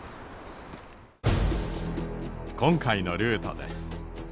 今回のルートです。